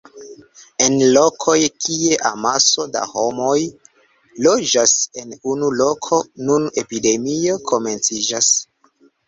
En lokoj kie amaso da homoj loĝas en unu loko, nun epidemio komenciĝas.